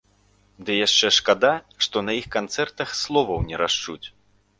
Ды яшчэ шкада, што на іх канцэртах словаў не расчуць.